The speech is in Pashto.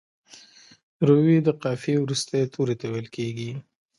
روي د قافیې وروستي توري ته ویل کیږي.